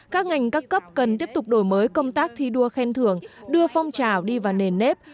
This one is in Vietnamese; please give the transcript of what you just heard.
các ngành các cấp cần tiếp tục đổi mới công tác thi đua khen thưởng đưa phong trào đi vào nền nếp